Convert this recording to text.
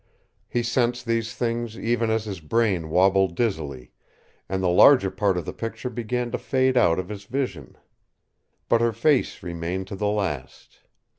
He sensed these things even as his brain wobbled dizzily, and the larger part of the picture began to fade out of his vision. But her face remained to the last.